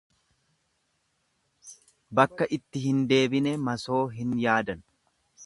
Bakka itti hin deebine masoo hin yaadan.